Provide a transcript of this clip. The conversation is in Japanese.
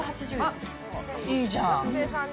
あっ、いいじゃん。